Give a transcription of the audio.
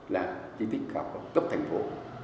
là di tích khảo cổ học cấp thành phố